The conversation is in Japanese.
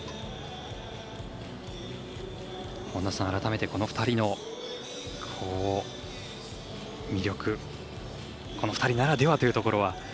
改めて、この２人の魅力この２人ならではというところは？